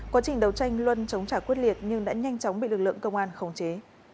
quá trình đấu tranh luân chống trả quyết liệt nhưng đã nhanh chóng bị lực lượng công an khống chế